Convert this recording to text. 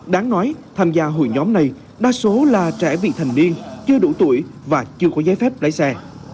đáng nói tham gia hội nhóm này đa số là trẻ vị thành niên chưa đủ tuổi và chưa có giấy phép lái xe